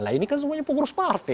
nah ini kan semuanya pengurus partai